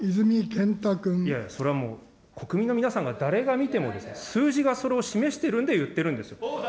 いや、それはもう国民の皆さんが、誰が見てもですね、数字がそれを示しているんで言っているんです。